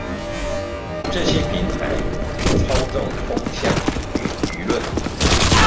這些平台操縱風向與輿論